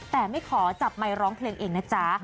แต่ไม่ขอจับไมค์ร้องเพลงเองนะจ๊ะ